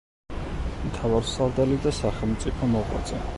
მთავარსარდალი და სახელმწიფო მოღვაწე.